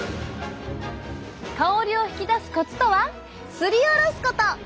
香りを引き出すコツとはすりおろすこと！